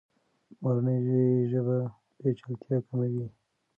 مورنۍ ژبه پیچلتیا کموي.